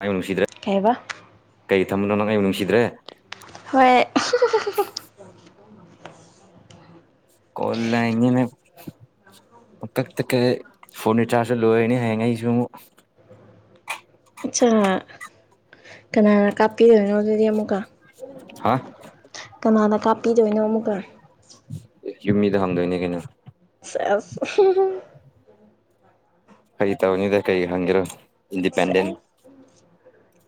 ꯑꯩꯕꯨ ꯅꯨꯡꯁꯤꯗ꯭ꯔꯦ ꯀꯩꯕ ꯀꯩ ꯊꯝꯕꯅꯣ ꯅꯪ ꯑꯩꯕꯨ ꯅꯨꯡꯁꯤꯗ꯭ꯔꯦ ꯍꯣꯏ ꯀꯣꯜ ꯂꯥꯏꯅꯤꯅ ꯀꯛꯇ ꯀꯛꯑꯦ ꯐꯣꯟ ꯔꯤꯆꯥꯔꯖꯖꯨ ꯂꯣꯏꯔꯅꯦ ꯍꯌꯦꯡ ꯑꯩꯁꯨ ꯑꯃꯨꯛ ꯑꯠꯆꯥ ꯀꯅꯥꯅ ꯀꯥꯞꯄꯤꯗꯣꯏꯅꯣ ꯑꯗꯨꯗꯤ ꯑꯃꯨꯛꯀ ꯍꯥ ꯀꯅꯥꯅ ꯀꯥꯞꯄꯤꯗꯣꯏꯅꯣ ꯑꯃꯨꯛꯀ ꯌꯨꯝ ꯃꯤꯗ ꯍꯪꯗꯣꯏꯅꯦ ꯀꯩꯅꯣ ꯁꯦꯁ ꯐꯥꯒꯤ ꯇꯧꯅꯤꯗ ꯀꯔꯤ ꯍꯪꯒꯦꯔꯣ ꯁꯦꯁ ꯏꯟꯗꯤꯄꯦꯟꯗꯦꯟ ꯑꯥꯏ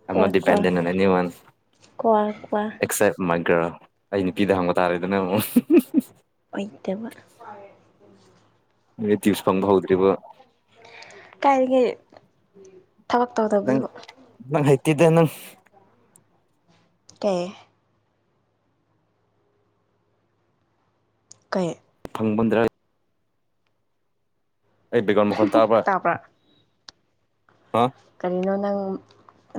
ꯑꯦꯝ ꯀ꯭ꯋꯥ ꯅꯣꯠ ꯀ꯭ꯋꯥ ꯗꯤꯄꯦꯟꯗꯦꯟꯠ ꯑꯦꯠ ꯑꯦꯅꯤꯋꯥꯟ ꯀ꯭ꯋꯥ ꯀ꯭ꯋꯥ ꯑꯦꯛꯁꯦꯞ ꯃꯥꯏ ꯒꯔꯜ ꯑꯩ ꯅꯨꯄꯤꯗ ꯍꯪꯕ ꯇꯥꯔꯦꯗꯅ ꯑꯃꯨꯛ ꯑꯣꯏꯗꯕ ꯅꯣꯏ ꯇꯤꯞꯁ ꯐꯪꯕ ꯍꯧꯗ꯭ꯔꯤꯕꯣ ꯀꯥꯏꯗꯒꯤ ꯊꯕꯛ ꯅꯪ ꯇꯧꯗꯕꯗꯨꯕꯨ ꯅꯪ ꯍꯩꯇꯦꯗ ꯅꯪ ꯀꯩ ꯀꯩ ꯐꯪꯕꯟꯗ꯭ꯔ ꯑꯩ ꯕꯦꯛꯒꯥꯎꯟ ꯃꯈꯣꯟ ꯇꯥꯕ꯭ꯔꯥ ꯍꯥ ꯀꯔꯤꯅꯣ ꯅꯪ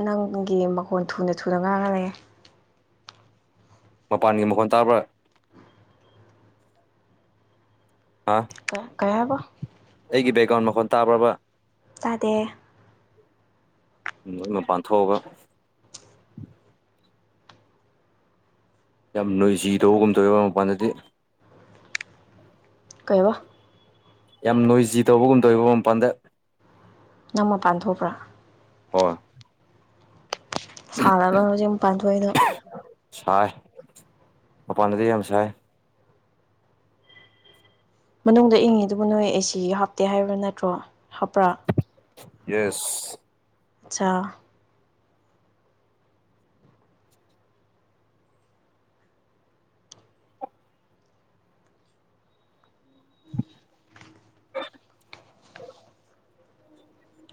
ꯅꯪꯒꯤ ꯃꯈꯣꯟ ꯊꯨꯅ ꯊꯨꯅ ꯉꯥꯡꯉꯥ ꯂꯩꯌꯦ ꯃꯄꯥꯟꯒꯤ ꯃꯈꯣꯟ ꯇꯥꯕ꯭ꯔꯥ ꯍꯥ ꯀꯩ ꯍꯥꯏꯕ ꯑꯩꯒꯤ ꯕꯦꯛꯒꯥꯎꯟ ꯃꯈꯣꯟ ꯇꯥꯕ꯭ꯔꯕꯥ ꯇꯥꯗꯦ ꯅꯣꯏ ꯃꯄꯥꯟꯊꯣꯛꯑꯒ ꯌꯥꯝ ꯅꯣꯏꯖꯤ ꯇꯧꯕꯒꯨꯝ ꯇꯧꯋꯦꯕ ꯃꯄꯥꯟꯗꯗꯤ ꯀꯩꯕꯥ ꯌꯥꯝ ꯅꯣꯏꯖꯤ ꯇꯧꯕꯒꯨꯝ ꯇꯧꯋꯦꯕ ꯃꯄꯥꯟꯗ ꯅꯪ ꯃꯄꯥꯟ ꯊꯣꯛꯄ꯭ꯔꯥ ꯍꯣ ꯁꯥꯟꯅꯕ ꯍꯧꯖꯤꯛꯄꯥꯟꯊꯣꯛꯏꯗꯣ ꯁꯥꯏ ꯃꯄꯥꯟꯗꯗꯤ ꯌꯥꯝ ꯁꯥꯏ ꯃꯅꯨꯡꯗ ꯏꯪꯉꯤꯗꯨꯕꯨ ꯅꯣꯏ ꯑꯦꯁꯤ ꯍꯥꯞꯇꯦ ꯍꯥꯏꯕ ꯅꯠꯇ꯭ꯔꯣ ꯍꯥꯞꯄ꯭ꯔꯥ ꯌꯦꯁ ꯆꯥ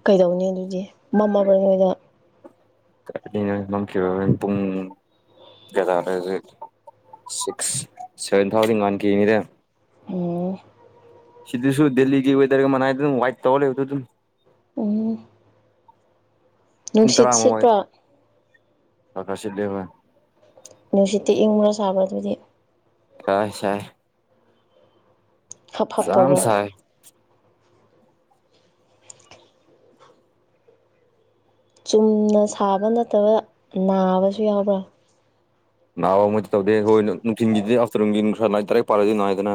ꯀꯩꯗꯧꯅꯤ ꯗꯨꯗꯤ ꯃꯝꯃꯕ꯭ꯔ ꯅꯣꯏꯗ [unintelligible] ꯃꯝꯈꯤꯔꯣꯏ ꯍꯣꯔꯦꯟ ꯄꯨꯡ ꯀꯌꯥ ꯇꯥꯔꯦ ꯍꯧꯖꯤꯛ ꯁꯤꯛꯁ ꯁꯚꯦꯟ ꯐꯥꯎꯗꯤ ꯉꯥꯟꯈꯤꯅꯤꯗ꯫ ꯑꯣ ꯁꯤꯗꯤ ꯁꯨ ꯗꯦꯜꯂꯤꯒꯤ ꯋꯗꯔꯒ ꯃꯅꯥꯥꯏꯗ ꯋꯥꯏꯠ ꯇꯧꯋ ꯂꯩꯕꯗꯨꯗꯨꯝ ꯎꯝ ꯄꯨꯡ ꯅꯨꯡꯁꯤꯠ ꯇꯔꯥꯃ ꯁꯤꯠꯄ꯭ꯔꯥ [unintelligible] ꯀ ꯀꯥ ꯁꯤꯠꯂꯦ ꯍꯣꯏ ꯅꯨꯡꯁꯤꯠꯇꯤ ꯏꯪꯕ꯭ꯔ ꯁꯥꯕ ꯑꯗꯨꯗꯤ ꯁꯥꯏꯁꯥꯏ ꯍꯥꯞ ꯍꯥꯞ ꯌꯥꯝ ꯇꯧꯕ꯭ꯔ ꯁꯥꯏ ꯆꯨꯝꯅ ꯁꯥꯕ ꯅꯠꯇꯕ ꯅꯥꯕꯁꯨ ꯌꯥꯎꯕ꯭ꯔꯥ ꯅꯕꯃꯥꯛꯇꯤ ꯇꯧꯗꯦ ꯍꯣꯏ ꯅꯨꯡ ꯅꯨꯡꯊꯤꯟꯒꯤꯗꯤ ꯑꯥꯐꯇꯔꯅꯨꯟꯒꯤ ꯅꯨꯡꯁꯥ ꯗꯥꯔꯦꯛ ꯄꯥꯜꯂꯗꯤ ꯅꯥꯌꯦꯗꯅ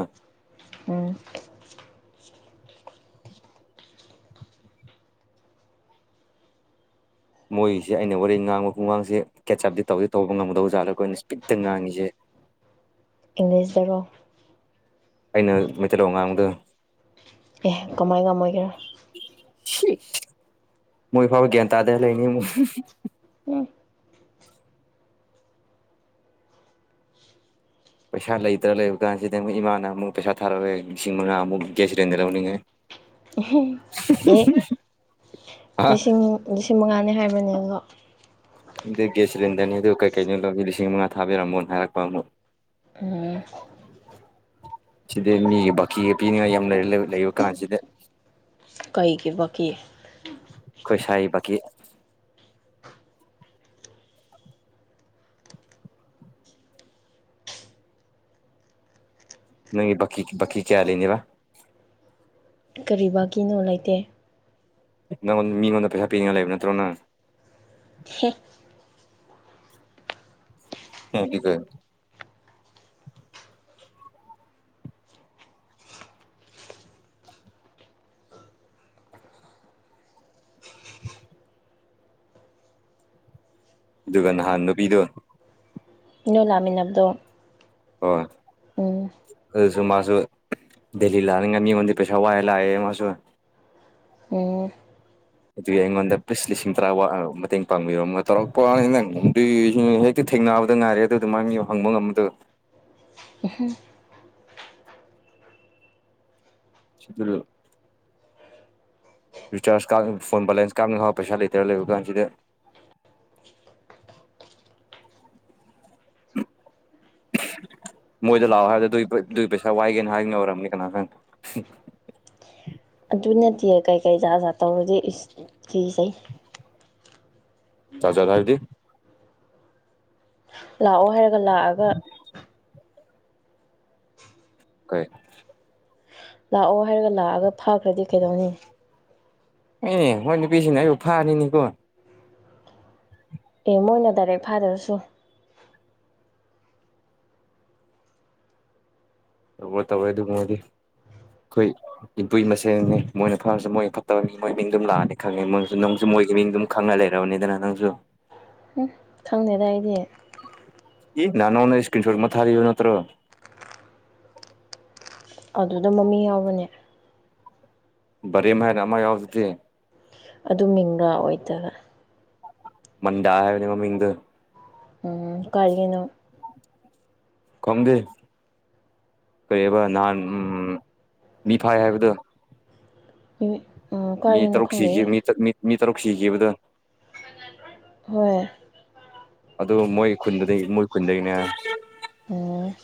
ꯎꯝ ꯃꯣꯏꯒꯤꯁꯦ ꯑꯩꯅ ꯋꯥꯔꯤ ꯉꯥꯡꯕ ꯈꯨꯡꯒꯥꯡꯁꯦ ꯀꯦꯆ ꯑꯞꯗꯤ ꯇꯧꯗꯤ ꯇꯧꯕ ꯉꯝꯒꯗꯧꯕ ꯖꯥꯠꯂꯀꯣ ꯑꯩꯅ ꯏꯁ꯭ꯄꯤꯠꯇ ꯉꯥꯡꯉꯤꯁꯦ ꯏꯪꯂꯤꯁꯗꯔꯣ ꯑꯩꯅ ꯃꯩꯇꯩꯂꯣꯟ ꯉꯥꯡꯕꯗꯣ ꯑꯦꯍ ꯀꯃꯥꯏ ꯉꯝꯃꯣꯏꯒꯦꯔꯥ [unintelligible] ꯃꯣꯏ ꯐꯥꯎꯕ ꯒ꯭ꯌꯥꯟ ꯇꯥꯗꯅ ꯂꯩꯅꯤꯃꯨꯛ ꯎꯝ ꯄꯩꯁꯥ ꯂꯩꯇ꯭ꯔ ꯂꯩꯕ ꯀꯥꯟꯁꯤꯗ ꯃꯣꯏ ꯏꯃꯥꯅ ꯑꯃꯨꯛ ꯄꯩꯁꯥ ꯊꯥꯔꯛꯎꯍꯦ ꯂꯤꯁꯤꯡ ꯃꯉꯥꯃꯨꯛ ꯒ꯭ꯌꯥꯁ ꯁꯤꯂꯤꯟꯗꯔ ꯂꯧꯅꯤꯡꯉꯥꯏ ꯏꯍꯤ [unintelligible] ꯑꯥ ꯂꯤꯁꯤꯡ ꯂꯤꯁꯤꯡ ꯃꯉꯥꯅꯤ ꯍꯥꯏꯕꯅꯦꯀꯣ ꯈꯪꯗꯦ ꯒꯦꯁ ꯁꯤꯂꯤꯟꯗꯔꯅꯤ ꯑꯗꯨ ꯀꯩ ꯀꯩꯩꯅꯣ ꯂꯧꯒꯦ ꯂꯤꯁꯤꯡ ꯃꯉꯥ ꯊꯥꯕꯤꯔꯝꯃꯣꯅ ꯍꯥꯏꯔꯛꯄ ꯑꯃꯨꯛ ꯎꯝ ꯁꯤꯗꯤ ꯃꯤꯒꯤ ꯕꯀꯤꯒ ꯄꯤꯅꯤꯡꯉꯥꯏ ꯌꯥꯝ ꯂꯩ ꯂꯩ ꯂꯩꯕ ꯀꯥꯟꯁꯤꯗ ꯀꯩꯒꯤꯕꯀꯤ ꯈꯣꯏ ꯁꯥꯏꯒꯤ ꯕꯥꯀꯤ ꯅꯪꯒꯤ ꯕꯀꯤ ꯕꯀꯤ ꯀꯌꯥ ꯂꯩꯅꯦꯕ ꯀꯔꯤ ꯕꯥꯀꯤꯅꯣ ꯂꯩꯇꯦ ꯅꯪꯉꯣꯟ ꯃꯤꯉꯣꯟꯗ ꯄꯩꯁꯥ ꯄꯤꯅꯤꯡꯉꯥꯏ ꯂꯩꯕ ꯅꯠꯇ꯭ꯔꯣꯅꯪ ꯍꯦ [unintelligible] ꯑꯗꯨꯒ ꯅꯍꯥꯟ ꯅꯨꯄꯤꯗꯣ ꯅꯣꯏꯂꯥꯛꯃꯤꯟꯅꯕꯗꯣ ꯍꯣꯏ ꯑꯣ ꯑꯗꯨꯁꯨ ꯃꯥꯁꯨ ꯗꯦꯜꯍꯤ ꯂꯛꯅꯤꯉꯥꯏ ꯃꯤꯉꯣꯟꯗꯩ ꯄꯩꯁꯥ ꯋꯥꯏꯔ ꯂꯛꯑꯦꯌꯦ ꯃꯥꯁꯨ ꯑꯣ ꯑꯗꯨꯒꯤ ꯑꯩꯉꯣꯟꯗ ꯄꯤꯁ ꯂꯤꯁꯤꯡ ꯇꯔꯥ ꯃꯇꯦꯡ ꯄꯥꯡꯕꯤꯔꯣ ꯇꯧꯔꯛꯄꯅꯤ ꯅꯪ ꯫ [unintelligible] ꯊꯦꯡꯅꯕꯗ ꯉꯥꯏꯔꯤ ꯑꯗꯨꯃꯥꯏꯅ ꯍꯪꯕ ꯉꯝꯕꯗꯣ ꯎꯝ ꯔꯤꯆꯥꯔꯖ ꯀꯥꯞꯅꯕ ꯐꯣꯟ ꯕꯦꯂꯦꯟꯁ ꯀꯥꯞꯅꯐꯥꯎ ꯄꯩꯁꯥ ꯂꯩꯇꯔ ꯂꯩꯕ ꯀꯥꯟꯁꯤꯗ꯫ ꯃꯣꯏꯗ ꯂꯥꯛꯑꯣ ꯍꯥꯏꯕꯗꯨ ꯑꯗꯨꯏ ꯄꯩꯁꯥ ꯋꯥꯏꯒꯦꯅ ꯍꯥꯏꯕ ꯑꯣꯏꯔꯝꯅꯤ ꯀꯅꯥ ꯈꯪꯉꯤ ꯑꯗꯨ ꯅꯠꯇꯦ ꯀꯩꯀꯩ ꯖꯥꯠ ꯖꯥꯠ ꯇꯧꯔꯗꯤ ꯀꯤꯖꯩ ꯖꯥꯠ ꯖꯥꯠ ꯍꯥꯏꯗꯤ ꯂꯥꯛꯑꯣ ꯍꯥꯏꯔꯒ ꯂꯥꯛꯑꯒ ꯀꯩ꯫ ꯂꯥꯛꯑꯣ ꯍꯥꯏꯔꯒ ꯂꯥꯛꯑꯒ ꯐꯥꯈ꯭ꯔꯗꯤ ꯀꯩꯗꯧꯅꯤ? ꯑꯦ ꯃꯣꯏ ꯅꯨꯄꯤꯁꯤꯡꯅ ꯑꯩꯕꯨ ꯐꯥꯔꯤꯅꯤꯀꯣ ꯑꯦ ꯃꯣꯏꯅ ꯗꯥꯏꯔꯦꯛ ꯐꯥꯗ꯭ꯔꯁꯨ ꯇꯧꯔꯣꯏ ꯇꯧꯔꯣꯏ ꯑꯗꯨꯒꯨꯝꯕꯗꯤ ꯑꯩꯈꯣꯏ꯫ ꯏꯄꯨꯏ ꯃꯁꯦꯟꯅꯦ ꯃꯣꯏꯅ ꯐꯔꯁꯨ ꯃꯣꯏꯒꯤ ꯐꯠꯇꯕ ꯃꯤ ꯃꯣꯏ ꯃꯤꯡ ꯑꯗꯨꯝ ꯂꯥꯛꯑꯅꯤ ꯈꯪꯉꯦ ꯃꯣꯏꯅꯁꯨ ꯅꯪꯁꯨ ꯃꯣꯏꯒꯤ ꯃꯤꯡꯗꯨꯝ꯫ ꯈꯪꯉ ꯂꯩꯔꯕꯅꯤꯗꯅ ꯅꯪꯖꯨ ꯎꯝ ꯈꯪꯗꯦꯗ ꯑꯩꯗꯤ [unintelligible] [unintelligible] ꯏꯁ꯭ꯀꯤꯟ ꯁꯣꯠ ꯑꯃ ꯊꯥꯕꯤꯕꯅꯠꯇ꯭ꯔꯣ [unintelligible] [unintelligible] ꯑꯗꯨꯗ ꯃꯃꯤꯡ ꯌꯥꯎꯕꯅꯦ ꯕꯔꯦꯝ ꯍꯥꯏꯅ ꯑꯃ ꯌꯥꯎꯕꯗꯨꯗꯤ ꯑꯗꯨ ꯃꯤꯡꯗꯣ ꯑꯣꯏꯗꯕ ꯃꯟꯗꯥ ꯍꯥꯏꯕꯅꯦ ꯃꯃꯤꯡꯗꯣ ꯎꯝ ꯀꯥꯢꯗꯒꯤꯅꯣ ꯈꯪꯗꯦ ꯀꯔꯤꯕ ꯅꯍꯥꯟ ꯃꯤ ꯐꯥꯏ ꯍꯥꯏꯕꯗꯣ ꯎꯝ ꯃꯤ ꯀꯥꯏꯗꯅꯣ ꯇꯔꯨꯛ ꯁꯤꯈꯤ ꯈꯪꯗꯦꯍꯦ ꯃꯤ -ꯃꯤ ꯇꯔꯨꯛ ꯁꯤꯈꯤꯕꯗꯣ ꯍꯣꯏ ꯑꯗꯨ ꯃꯣꯏ ꯈꯨꯟꯗꯗꯤ ꯃꯣꯏ ꯈꯨꯟꯗꯒꯤꯅꯦ ꯍꯥꯏꯌꯦ ꯎꯝ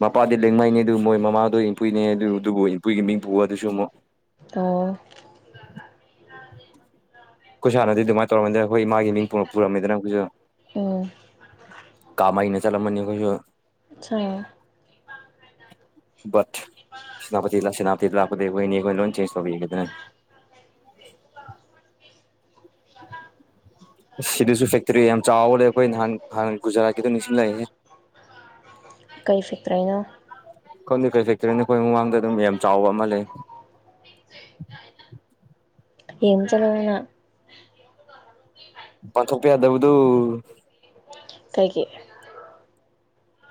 ꯃꯄꯥꯗꯤ ꯂꯦꯡꯃꯥꯏꯅꯦ ꯑꯗꯨ ꯃꯣꯏ ꯃꯃꯥꯗꯣ ꯏꯝꯄꯨꯏꯅꯦ ꯑꯗꯨ ꯑꯗꯨꯕꯨ ꯏꯝꯄꯨꯒꯤ ꯃꯤꯡ ꯄꯨ ꯑꯗꯨꯁꯨ ꯑꯃꯨꯛ ꯑꯥ ꯑꯩꯈꯣꯏ ꯁꯥꯥꯟꯅꯗꯤ ꯑꯗꯨꯃꯥꯏꯅ ꯇꯧꯔꯝꯃꯗꯅ ꯑꯩꯈꯣꯏ ꯃꯥꯒꯤ ꯃꯤꯡ [unintelligible] [unintelligible] [unintelligible] [unintelligible] ꯑꯩꯈꯣꯏꯁꯨ ꯎꯝ ꯀꯃꯩꯅ ꯆꯠꯂꯝꯒꯅꯤ ꯑꯩꯈꯣꯏꯁꯨ [unintelligible] ꯁꯦꯅꯥꯄꯇꯤ ꯂ ꯁꯦꯅꯥꯄꯇꯤ ꯂꯥꯛꯄꯗꯩ ꯑꯩꯈꯣꯏꯅꯤ ꯑꯩꯈꯣꯏꯅ ꯂꯣꯟ ꯆꯦꯟꯖ ꯇꯧꯕꯤꯈꯤꯗꯅ ꯁꯤꯗꯁꯨ ꯐꯦꯛꯇꯔꯤ ꯌꯥꯝ ꯆꯥꯎꯕꯔ ꯂꯩ ꯑꯩꯈꯣꯏ ꯅꯍꯥꯟ ꯍꯥꯟꯅ ꯒꯨꯖꯔꯥꯠꯀꯤꯗꯣ ꯅꯤꯡꯁꯤꯡꯂꯛꯑꯦꯍꯦ ꯀꯩ [unintelligible] [unintelligible] ꯈꯪꯗꯦ ꯀꯩ -ꯀꯩ ꯅꯣ ꯑꯩꯈꯣꯏ ꯃꯃꯥꯡꯗ ꯑꯗꯨꯝ ꯌꯥꯝ ꯆꯥꯎꯕ ꯑꯃ ꯂꯩ ꯌꯦꯡ ꯆꯠꯂꯕꯅꯤꯅ ꯃꯄꯥꯟ ꯊꯣꯛꯀꯦ ꯌꯥꯗꯕꯗꯨ ꯀꯩꯒꯤ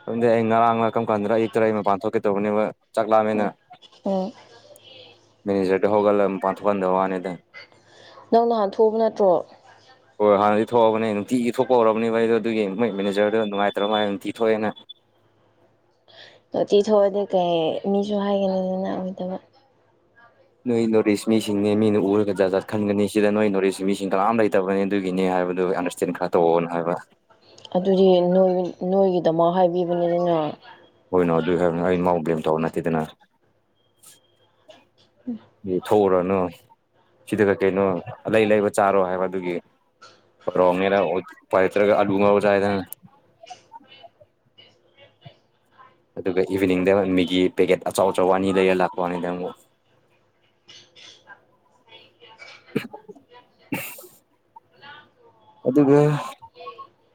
ꯑꯗꯨꯝꯗꯤ ꯑꯩ ꯉꯔꯥꯡ ꯉ ꯀꯔꯝ ꯀꯥꯟꯗꯅꯣ ꯑꯌꯛꯇꯔ ꯑꯩ ꯃꯄꯥꯟ ꯊꯣꯛꯀꯦ ꯇꯧꯕꯅꯦꯕ ꯆꯥꯛꯂꯥꯝꯃꯦꯅ ꯎꯝ ꯎꯝ ꯃꯦꯅꯦꯖꯔꯦ ꯍꯧꯒꯠꯂ ꯃꯄꯥꯜ ꯊꯣꯛꯍꯥꯟꯗꯕ ꯋꯥꯅꯦꯗ ꯅꯪ ꯍꯥꯟꯅ ꯊꯣꯛꯑꯕ ꯅꯠꯇ꯭ꯔꯣ ꯍꯣꯏ ꯍꯥꯟꯅꯗꯤ ꯊꯣꯛꯍꯑꯕꯅꯦ ꯅꯨꯡꯇꯤꯒꯤ ꯊꯣꯛꯄ ꯍꯧꯔꯔꯕꯅꯦꯕ ꯑꯩꯗꯣ ꯑꯗꯨꯒꯤ ꯃꯣꯏ ꯃꯦꯅꯦꯖꯔꯗ ꯅꯨꯡꯉꯥꯏꯇ꯭ꯔ ꯃ ꯅꯨꯡꯇꯤ ꯊꯣꯛꯑꯦꯅ ꯇꯤ ꯊꯣꯛꯑꯗꯤ ꯀꯩ ꯃꯤꯁꯨ ꯍꯥꯏꯒꯅꯤ ꯑꯗꯨ ꯅꯥꯑꯣꯏꯗꯕ ꯅꯣꯏ ꯅꯣꯠ ꯢꯁ ꯃꯤꯁꯤꯡꯅꯦ ꯃꯤꯅ ꯎꯔꯒ ꯖꯠ ꯖꯠ ꯈꯟꯒꯅꯤ ꯁꯤꯗ ꯅꯣꯏ ꯅꯣꯠ ꯢꯁ ꯃꯤꯁꯤꯡ ꯀꯅꯥꯥꯝ ꯂꯩꯇꯕꯅꯤ ꯑꯗꯨꯒꯤꯅꯦ ꯍꯥꯏꯕꯗꯨ ꯑ [unintelligible] ꯈꯔ ꯇꯧꯑꯣꯅ ꯍꯥꯏꯕ ꯑꯗꯨꯗꯤ ꯅꯣꯏ ꯅꯣꯏꯒꯤꯗꯃꯛ ꯍꯥꯏꯕꯤꯕꯅꯤ ꯅꯥꯏ ꯍꯣꯏꯅꯣ ꯑꯗꯨꯏ ꯍꯥꯏꯕꯅꯤ ꯑꯩ ꯃꯥꯎ ꯕ꯭ꯂꯦꯝ ꯇꯧꯕ ꯅꯠꯇꯦꯗꯅ ꯎꯝ ꯊꯣꯛꯎꯔꯅꯨ ꯁꯤꯗ ꯀꯩ ꯀꯩꯅꯣ ꯂꯩ ꯂꯩꯕ ꯆꯥꯔꯣ ꯍꯥꯏꯕ ꯑꯗꯨꯒꯤ ꯔꯣꯡꯅ ꯎꯄꯥꯢ ꯂꯩꯇ꯭ꯔꯒ ꯑꯂꯨ ꯉꯥꯎꯔ ꯆꯥꯢꯅ ꯑꯗꯨꯒ ꯏꯚꯤꯅꯤꯡꯗ ꯃꯤꯒꯤ ꯄꯦꯀꯦꯠ ꯑꯆꯥꯎ ꯑꯆꯥꯎ ꯋꯥꯅꯤ ꯂꯩꯔ ꯂꯥꯛꯄꯩ ꯋꯥꯅꯤꯗ ꯑꯃꯨꯛ ꯌꯥꯝ [unintelligible] ꯑꯗꯨꯒ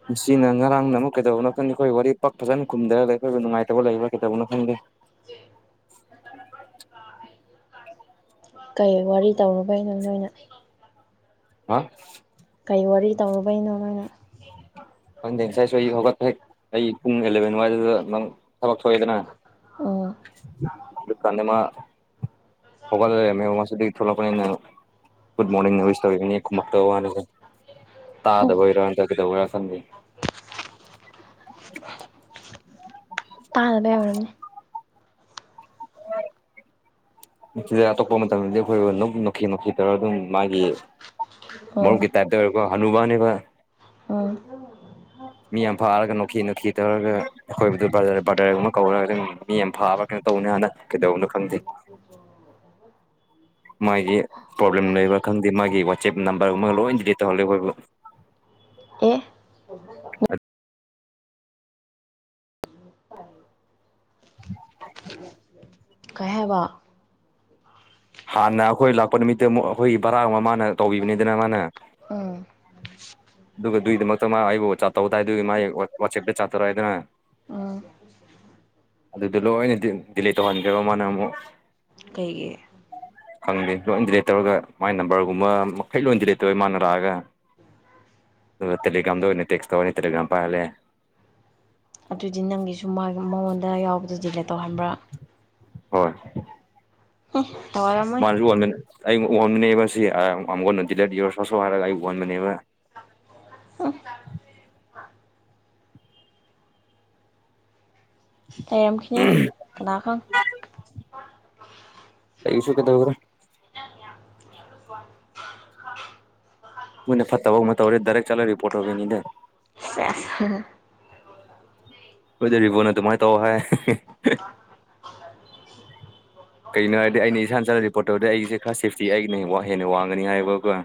ꯃꯁꯤꯅ ꯉꯔꯥꯡꯅ ꯑꯃꯨꯛ ꯀꯩꯗꯧꯕꯅꯣ ꯈꯪꯗꯦ ꯑꯩꯈꯣꯏ ꯋꯥꯔꯤ ꯄꯥꯛ ꯐꯖꯅ ꯈꯨꯝꯊꯔꯒ ꯑꯩꯈꯣꯏꯕꯨ ꯅꯨꯡꯉꯥꯏꯇꯕ ꯂꯩꯕꯥ ꯀꯩꯗꯧꯕꯅꯣ ꯈꯪꯗꯦ ꯀꯩ ꯋꯥꯔꯤ ꯇꯧꯔꯨꯕꯩꯅꯣ ꯅꯣꯏꯅ ꯍꯥ ꯀꯩ ꯋꯥꯔꯤ ꯇꯧꯔꯨꯕꯩꯅꯣ ꯃꯅ ꯈꯪꯗꯦ ꯉꯁꯥꯏꯁꯨ ꯑꯩ ꯍꯧꯒꯠꯄ ꯍꯦꯛ ꯑꯩ ꯄꯨꯡ ꯑꯦꯂꯚꯦꯟ ꯋꯥꯏꯗꯨꯗ ꯅꯡ ꯊꯕꯛ ꯊꯣꯛꯏꯗꯅ ꯑꯣ ꯑꯗꯨꯀꯥꯟꯗ ꯃ ꯍꯧꯒꯠꯂꯥ ꯂꯩꯔꯝꯃꯦ ꯃꯁꯨ ꯑꯗꯨꯗꯩꯩ ꯊꯣꯛꯂꯛꯄꯅꯤꯅ ꯒꯨꯗ ꯃꯣꯔꯅꯤꯡ ꯋꯤꯁ ꯅꯤꯕꯅꯤ ꯈꯨꯃꯛꯇꯕꯩ ꯋꯥꯅꯤꯗꯥ ꯇꯥꯗꯕꯩꯔꯥ ꯀꯩꯗꯧꯕꯩꯅꯣ ꯈꯪꯗꯦ [inaudible] ꯇꯥꯗꯕꯩ ꯑꯣꯏꯔꯝꯅꯤ [unintelligible] ꯁꯤꯗ ꯑꯇꯣꯞꯄ ꯃꯇꯝꯗꯗꯤ ꯑꯩꯈꯣꯏ ꯅꯣꯛꯈꯤ ꯅꯣꯛꯈꯤ ꯇꯧꯔꯒꯥ ꯑꯗꯨꯝ ꯃꯥꯒꯤ ꯑꯣ ꯃꯔꯨꯞꯀꯤ ꯇꯥꯏꯞꯇ ꯑꯣꯏꯔꯔꯤꯕ ꯍꯅꯨꯕꯅꯦꯕ ꯎꯝ ꯃꯤ ꯌꯥꯝ ꯐꯥꯔꯒ ꯅꯣꯛꯈꯤ ꯅꯣꯛꯈꯤ ꯇꯧꯔꯒ ꯑꯩꯈꯣꯏꯕꯨꯗꯨ ꯕꯗꯔ ꯕꯔꯗꯔꯒꯨꯝꯕ ꯀꯧꯔꯒ ꯑꯗꯨꯝ ꯃꯤ ꯌꯥꯝ ꯐꯥꯕ [unintelligible] ꯀꯩꯗꯧꯅꯣ ꯈꯪꯗꯦ ꯃꯥꯒꯤ ꯄ꯭ꯔꯣꯕ꯭ꯂꯦꯝ ꯂꯩꯕ꯭ꯔꯥ ꯈꯪꯗꯦ ꯃꯥꯒꯤ ꯋꯥꯆꯦꯞ ꯅꯝꯕꯔꯒꯨꯝꯕꯒ ꯂꯣꯏ ꯗꯤꯂꯤꯠ ꯇꯧꯍꯜꯂꯤ ꯑꯩꯈꯣꯏꯕꯨ ꯑꯦ [inaudible] [unintelligible] ꯀꯩꯍꯥꯏꯕ ꯍꯥꯟꯅ ꯑꯩꯈꯣꯏ ꯂꯥꯛꯄ ꯅꯨꯃꯤꯠꯇ ꯑꯃꯨꯛ ꯑꯩꯈꯣꯏꯒꯤ ꯕꯔꯥ ꯑꯃ ꯃꯥꯅ ꯇꯧꯕꯤꯕꯅꯤꯗꯅ ꯃꯥꯅ ꯎꯝ ꯑꯗꯨꯒ ꯑꯗꯨꯒꯤꯗꯃꯛꯇ ꯃꯥ ꯑꯩꯕꯨ ꯆꯥꯠꯇꯧ ꯇꯥꯏꯗꯨꯒꯤ ꯃꯥꯒꯤ ꯋꯥꯆꯦꯞꯇ ꯆꯥꯠ ꯇꯧꯔꯛꯏ ꯍꯥꯏꯗꯅ ꯑꯝ ꯑꯗꯨꯗ ꯂꯣꯏꯅ ꯗꯤꯂꯦꯠ ꯇꯧꯍꯟꯈ꯭ꯔꯦꯕ ꯃꯥꯅ ꯑꯃꯨꯛ ꯀꯩꯒꯤ ꯈꯪꯗꯦ ꯂꯣꯏ ꯗꯤꯂꯦꯠ ꯇꯧꯔꯒ ꯃꯥꯏ ꯅꯝꯕꯔꯒꯨꯝꯕ ꯃꯈꯩ ꯂꯣꯏ ꯗꯤꯂꯦꯠ ꯇꯧꯋꯦ ꯃꯥꯅ ꯂꯥꯛꯑꯒꯥ ꯇꯦꯂꯤꯒꯔꯥꯝꯗ ꯑꯣꯏꯅ ꯇꯦꯛꯁ ꯇꯧꯏ ꯇꯦꯂꯤꯒꯔꯥꯝ ꯄꯥꯏꯍꯜꯂꯦ ꯑꯗꯨꯗꯤ ꯅꯪꯒꯤꯁꯨ ꯃꯉꯣꯟꯗ ꯌꯥꯎꯕꯗꯨ ꯗꯤꯂꯦꯠ ꯇꯧꯍꯟꯕ꯭ꯔꯥ ꯍꯣꯏ [unintelligible] ꯇꯧꯔꯝꯃꯣꯏ ꯑꯩ ꯎꯍꯟꯕꯅꯦꯕ ꯁꯤ [unintelligible] ꯍꯥꯌꯔꯒꯥ ꯑꯩ ꯎꯍꯟꯕꯅꯦꯕ ꯑꯣ ꯂꯩꯔꯝꯈꯤꯅꯤ [unintelligible] [unintelligible] [unintelligible] ꯃꯣꯏꯅ ꯐꯠꯇꯕ ꯑꯃ ꯇꯧꯔꯦ ꯗꯥꯏꯔꯦꯛ ꯆꯠꯂ ꯔꯤꯄꯣꯔꯠ ꯇꯧꯒꯅꯤꯗ ꯁꯦꯁ [unintelligible] ꯑꯗꯨꯃꯥꯏꯅ ꯇꯧ ꯍꯥꯏ [inaudible] ꯀꯩꯅꯣ ꯍꯥꯏꯔꯗꯤ ꯑꯩꯅ ꯏꯁꯥꯅ ꯆꯠꯂ ꯔꯤꯄꯣꯔꯠ ꯇꯧꯔꯗꯤ ꯑꯩꯒꯤꯁꯦ ꯈꯔ ꯁꯦꯐꯇꯤ ꯑꯩꯒꯤꯅ ꯍꯦꯟꯅ ꯋꯥꯡꯒꯅꯤ ꯍꯥꯏꯌꯦꯕꯀꯣ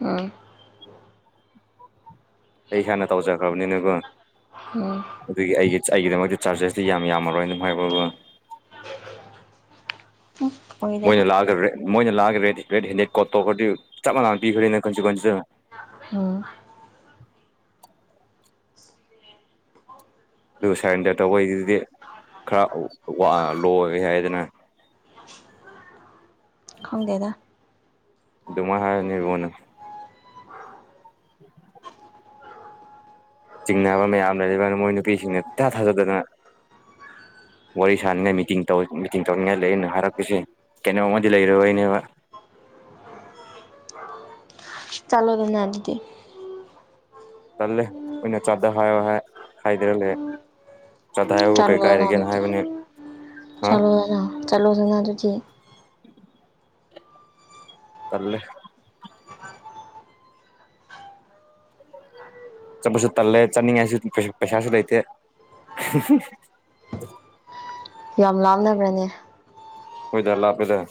ꯎꯝ ꯑꯩ ꯏꯁꯥꯥꯟꯅ ꯇꯧꯖꯈ꯭ꯔꯕꯅꯤꯅꯦꯀꯣ ꯎꯝ ꯑꯗꯨꯒꯤ ꯑꯩꯒꯤ ꯑꯩꯒꯤꯗꯃꯛꯇ ꯆꯥꯔꯖꯦꯁꯇꯤ ꯌꯥꯝꯃꯔꯣꯏꯅ ꯑꯗꯨꯝ ꯍꯥꯏꯕ ꯀꯣ ꯎꯝ ꯑꯣꯏꯗꯕ ꯃꯣꯏꯅ ꯂꯥꯛꯑꯒ ꯃꯣꯏꯅ ꯂꯥꯛꯑꯒ [unintelligible] ꯆꯞ ꯃꯥꯟꯅ ꯄꯤꯕꯅꯤꯅ [unintelligible] ꯎꯝ ꯑꯗꯨ ꯁꯔꯦꯟꯗꯔ ꯇꯧꯕꯩꯗꯨꯗꯤ ꯈꯔ ꯋꯥ ꯂꯣꯏ ꯍꯥꯏꯗꯅ ꯈꯪꯗꯦꯗ ꯑꯗꯨꯃꯥꯏ ꯍꯥꯏꯕꯅꯦ ꯃꯣꯏꯅ [inaudible] ꯆꯤꯡꯅꯕ ꯃꯌꯥꯝ ꯂꯩꯔꯀꯥꯟꯗ ꯃꯣꯏ ꯅꯨꯄꯤꯁꯤꯡꯅ ꯏꯊꯥ ꯊꯥꯖꯗꯅ ꯋꯥꯔꯤ ꯁꯥꯟꯅꯉꯥꯏ ꯃꯤꯇꯤꯡ ꯇꯧ ꯃꯤꯇꯤꯡ ꯇꯧꯋꯦ ꯇꯧꯅꯤꯡꯉꯥꯏ ꯂꯩ ꯑꯅ ꯍꯥꯏꯔꯛꯄꯁꯦ ꯀꯩꯅꯣꯝ ꯑꯃꯗꯤ ꯂꯩꯔꯕꯩꯅꯦꯕ ꯆꯂꯣꯗꯅ ꯑꯗꯨꯗꯤ꯫ ꯇꯜꯂꯦ ꯃꯤꯅ ꯆꯥꯠꯗ ꯍꯥꯏꯌꫭ ꯍꯥꯏ ꯍꯥꯏ꯭ꯗꯔ ꯂꯩ ꯆꯥꯠꯗ ꯍꯥꯏꯌꯕꯨ ꯀꯩ ꯆꯠꯂꯣꯗꯅ ꯀꯥꯏꯔꯒꯦꯅ ꯑꯗꯨꯗꯤ ꯍꯥꯏꯕꯅꯦ ꯍꯥ ꯆꯠꯂꯣꯗꯅ ꯆꯠꯂꯣꯗꯅ ꯑꯗꯨꯗꯤ ꯇꯜꯂꯦ ꯆꯠꯄꯁꯨ ꯇꯜꯂꯦ ꯆꯠꯅꯤꯡꯉꯥꯏꯁꯨ ꯄꯩ ꯄꯩꯁꯥꯁꯨ ꯂꯩꯇꯦ ꯌꯥꯝ ꯂꯥꯡꯅꯕ꯭ꯔꯅꯦ ꯍꯣꯏꯗ ꯂꯥꯞꯔꯗ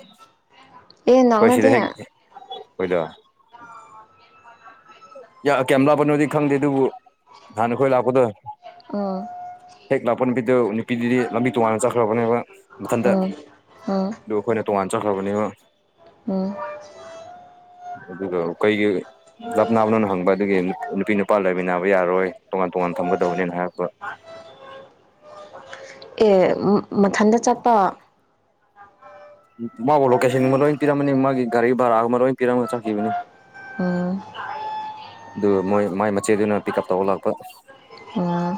ꯑꯦ ꯑꯩꯈꯣꯏ ꯁꯤꯗ ꯍꯦꯛ ꯅꯛꯅꯗꯦ ꯑꯈꯣꯏꯗ ꯀꯌꯥ ꯀꯌꯥꯝ ꯂꯥꯞꯕꯅꯣꯗꯤ ꯈꯪꯗꯦ ꯑꯗꯨꯕꯨ ꯍꯥꯟꯅ ꯈꯣꯏ ꯂꯥꯛꯄꯗꫭ ꯎꯝ ꯍꯦꯛ ꯂꯥꯛꯄ ꯅꯨꯃꯤꯠꯇꯣ ꯅꯨꯄꯤꯗꯨꯗꯤ ꯂꯝꯕꯤ ꯇꯣꯉꯥꯟꯅ ꯆꯠꯈ꯭ꯔꯕꯅꯦꯕ ꯃꯊꯟꯇ꯫ ꯎꯝ ꯎꯝ ꯑꯗꯨ ꯑꯩꯈꯣꯏꯅ ꯇꯣꯉꯥꯟ ꯆꯠꯈ꯭ꯔꯕꯅꯦꯕ ꯎꯝ ꯑꯗꯨꯒ ꯀꯩꯒꯤ ꯂꯥꯞꯅꯥꯕꯅꯣꯅ ꯍꯪꯕ ꯑꯗꯨꯒꯤ ꯅꯨꯄꯤ ꯅꯨꯄꯥ ꯂꯩꯃꯤꯟꯅꯕ ꯌꯥꯔꯣꯏ ꯇꯣꯉꯥꯟ ꯇꯣꯉꯥꯟ ꯊꯝꯒꯗꯧꯕꯅꯦꯅ ꯍꯥꯏꯔꯛꯄ꯫ ꯑꯦ ꯃ ꯃꯊꯟꯇ ꯆꯠꯄꯥ? ꯃꯥꯕꯨ ꯂꯣꯀꯦꯁꯟꯒꯨꯝꯕ ꯂꯣꯏ ꯄꯤꯔꯝꯕꯅꯤ ꯃꯥꯒꯤ ꯒꯥꯔꯤ ꯚꯔꯥꯒꯨꯝꯕ ꯂꯣꯏ ꯄꯤꯔꯝꯒ ꯆꯠꯈꯤꯕꯅꯤ꯫ ꯎꯝ ꯑꯗꯨ ꯃꯣꯏ ꯃꯥꯏ ꯃꯆꯦꯗꯨꯅ ꯄꯤꯛ ꯎꯞ ꯇꯧꯕ ꯂꯥꯛꯄ꯫ ꯑꯣ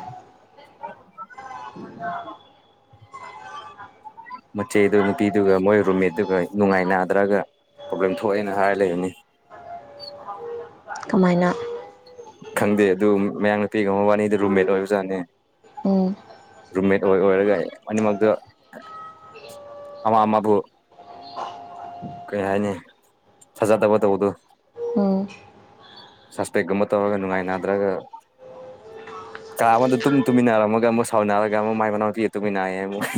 ꯃꯆꯦꯗꯨ ꯅꯨꯄꯤꯗꯨꯒ ꯃꯣꯏ ꯔꯨꯝꯃꯦꯠꯗꯨꯒ ꯅꯨꯡꯉꯥꯏ ꯅꯥꯗ꯭ꯔꯒ ꯄ꯭ꯔꯣꯕ꯭ꯂꯦꯝ ꯊꯣꯛꯑꯦꯅ ꯍꯥꯏꯔꯒ ꯂꯩꯔꯤꯅꯤ꯫ ꯀꯃꯥꯏꯅ? ꯈꯪꯗꯦ ꯑꯗꯨ ꯃꯌꯥꯡ ꯅꯨꯄꯤꯒ ꯃꯕꯥꯅꯤꯗꯨ ꯔꯨꯝꯃꯦꯠ ꯑꯣꯏꯕꯖꯥꯠꯅꯦ꯫ ꯎꯝ ꯔꯨꯝꯃꯦꯠ ꯑꯣꯏ ꯑꯣꯏꯔꯒ ꯑꯅꯤꯃꯛꯗ ꯑꯃꯥ ꯑꯃꯕꯨ ꯀꯩ ꯍꯥꯏꯅꯤ ꯐꯖꯥꯗꯕ ꯇꯧꯕꯗꯣ ꯎꯝ ꯁꯁꯄꯦꯛ ꯒꯨꯝꯕ ꯇꯧꯔꯒ ꯅꯨꯡꯉꯥꯏꯅꯗ꯭ꯔꯒ ꯀꯥ ꯑꯃꯗ ꯇꯨꯝ ꯇꯨꯃꯤꯟꯅꯔꯝꯃꯒ ꯑꯃꯨꯛ ꯁꯥꯎꯅꯔꯒ ꯑꯃꯨꯛ ꯃꯥꯏ ꯃꯅꯥꯎꯄꯤꯒ ꯇꯨꯃꯤꯟꯅꯑꯦ ꯑꯃꯨꯛ꯫ [unintelligible]